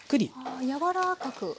あやわらかく。